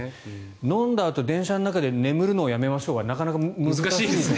飲んだあとに電車の中で眠るのをやめましょうはなかなか難しい。